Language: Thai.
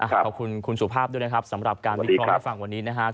ขอบคุณคุณสุภาพด้วยนะครับสำหรับการมีคล้องให้ฟังวันนี้นะฮะ